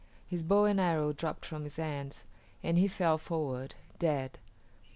His bow and arrow dropped from his hands, and he fell forward, dead.